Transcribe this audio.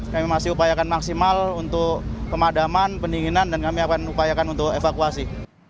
kami masih upayakan maksimal untuk pemadaman pendinginan dan kami akan upayakan untuk evakuasi